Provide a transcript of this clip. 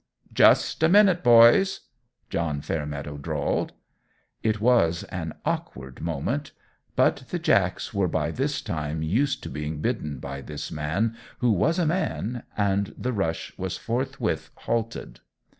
"Just a minute, boys!" John Fairmeadow drawled. It was an awkward moment: but the jacks were by this time used to being bidden by this man who was a man, and the rush was forthwith halted.